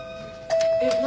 えっ何？